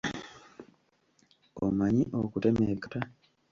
Omanyi okutema ebikata?